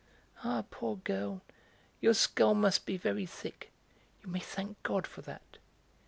"Ah, poor girl, your skull must be very thick; you may thank God for that.